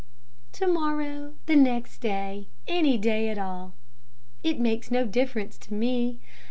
"To morrow, the next day, any day at all. It makes no difference to me.